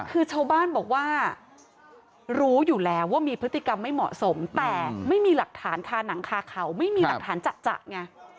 คือชาวบ้านบอกว่ารู้อยู่แล้วว่ามีพฤติกรรมไม่เหมาะสมแต่ไม่มีหลักฐานคาหนังคาเขาไม่มีหลักฐานจะไง